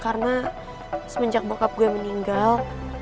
karena semenjak bokap gue meninggal